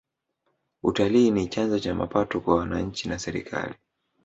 utalii ni chanzo cha mapato kwa wananchi na serikali